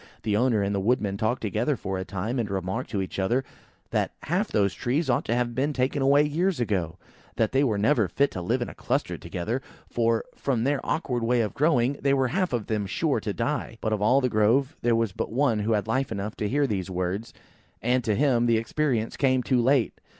The owner and the woodman talked together for a time, and remarked to each other that half those trees ought to have been taken away years ago: that they were never fit to live in a cluster together; for, from their awkward way of growing, they were half of them sure to die. But of all the Grove there was but one who had life enough to hear these words; and to him the experience came too late.